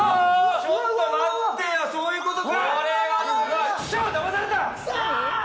ちょっと待ってよ、そういうことか！